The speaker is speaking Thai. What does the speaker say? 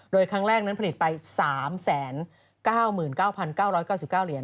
โดยครั้งแรกนั้นผลิตไป๓๙๙๙๙๙๙เหรียญ